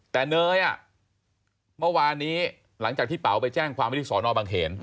แต่เนยเมื่อวานนี้หลังจากที่เป๋าไปแจ้งความวิธีสอนอบังเขน